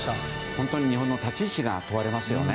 本当に日本の立ち位置が問われますよね。